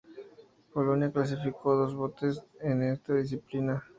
Polonia clasificó dos botes en esta disciplina.